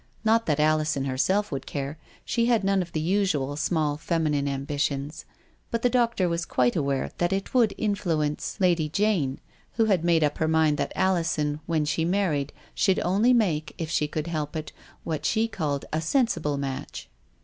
Not that Alison herself would care; she had none of the usual feminine ambitions; but the doctor was quite aware that it would influence Lady Jane, who had made up her mind that Alison, when she married, should only make, if she could help it, what she called a " sensible match."